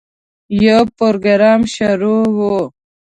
یو پروګرام شروع و.